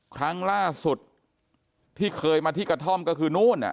ครั้งล่าสุดที่เคยมาที่กระท่อมก็คือนู่น